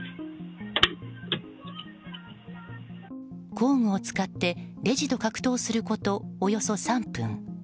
工具を使ってレジと格闘することおよそ３分。